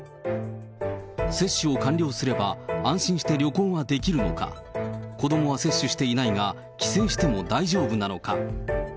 接種を完了すれば、安心して旅行ができるのか、子どもは接種していないが帰省しても大丈夫なのか。